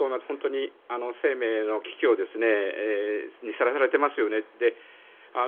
本当に生命の危機にさらされていますよね。